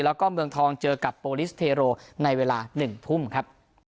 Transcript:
แล้วก็เมืองทองเจอกับโปรลิสเทโรในเวลา๑ทุ่มครับ